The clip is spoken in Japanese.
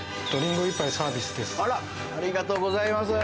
あらありがとうございます。